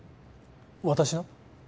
私の？